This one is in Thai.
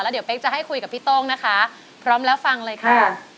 เดี๋ยวเป๊กจะให้คุยกับพี่โต้งนะคะพร้อมแล้วฟังเลยค่ะ